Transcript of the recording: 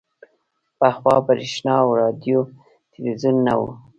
پخوا برېښنا او راډیو او ټلویزیون نه وو